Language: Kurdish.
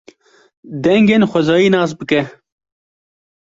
Dengên xwezayî nas bike.